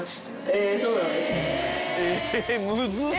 えっそうなんですね。